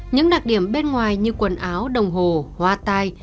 những đặc điểm bên ngoài như quần áo đồng hồ hoa tai